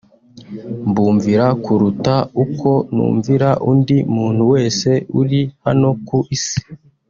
mbumvira kuruta uko numvira undi muntu wese uri hano ku isi